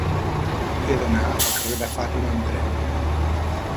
He d'anar al carrer de Fàtima amb tren.